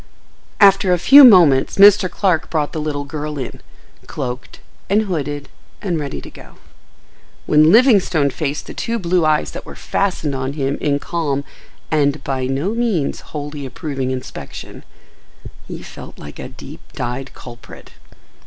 After a few moments Mr. Clark brought the little girl in, cloaked and hooded and ready to go. When Livingstone faced the two blue eyes that were fastened on him in calm, and, by no means, wholly approving inspection, he felt like a deep dyed culprit.